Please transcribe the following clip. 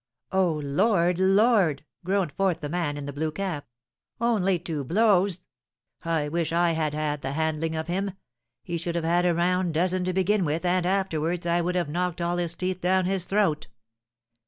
'" "O Lord! Lord!" groaned forth the man in the blue cap, "only two blows! I wish I had had the handling of him. He should have had a round dozen to begin with, and afterwards I would have knocked all his teeth down his throat!"